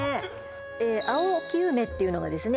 青黄梅っていうのがですね